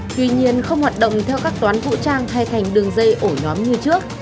tuy nhiên không hoạt động theo các toán vũ trang hay thành đường dây ổ nhóm như trước